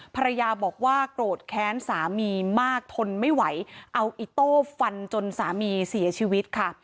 ภรรยาบอกว่าโกรธแค้นสามีมากทนไม่ไหวเอาอิโต้ฟันจนสามีเสียชีวิตค่ะ